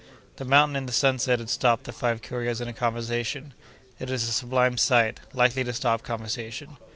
The mountain in the sunset had stopped the five couriers in a conversation. It is a sublime sight, likely to stop conversation.